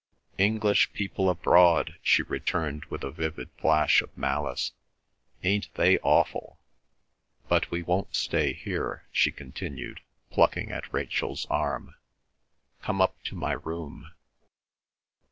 "English people abroad!" she returned with a vivid flash of malice. "Ain't they awful! But we won't stay here," she continued, plucking at Rachel's arm. "Come up to my room."